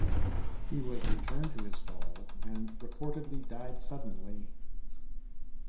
He was returned to his stall and reportedly died suddenly.